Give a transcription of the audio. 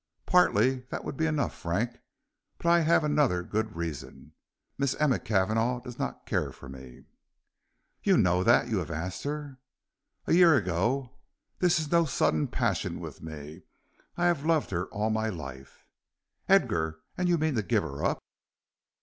"Partly; that would be enough, Frank; but I have another good reason. Miss Emma Cavanagh does not care for me." "You know that? You have asked her?" "A year ago; this is no sudden passion with me; I have loved her all my life." "Edgar! And you mean to give her up?"